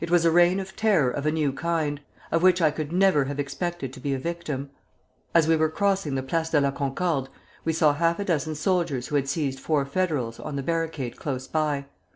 It was a reign of terror of a new kind, of which I could never have expected to be a victim. As we were crossing the Place de la Concorde we saw half a dozen soldiers who had seized four Federals on the barricade close by.